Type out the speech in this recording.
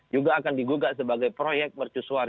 juga akan digugat sebagai proyek mercusuar